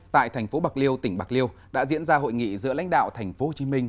tại thành phố bạc liêu tỉnh bạc liêu đã diễn ra hội nghị giữa lãnh đạo thành phố hồ chí minh